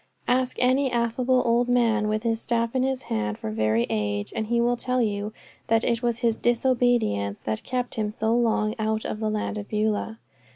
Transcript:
Ask any affable old man with his staff in his hand for very age, and he will tell you that it was his disobedience that kept him so long out of the land of Beulah.